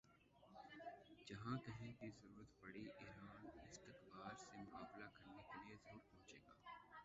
جہاں کہیں بھی ضرورت پڑی ایران استکبار سے مقابلہ کرنے کے لئے ضرور پہنچے گا